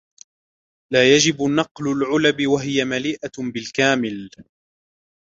لا يجب نقل العلب و هي مليئة بالكامل.